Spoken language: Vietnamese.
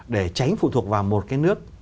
để tránh phụ thuộc vào một cái nước